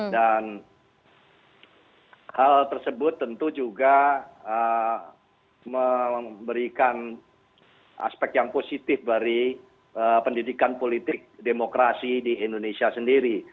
dan hal tersebut tentu juga memberikan aspek yang positif dari pendidikan politik demokrasi di indonesia sendiri